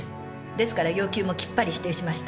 ですから要求もきっぱり否定しました。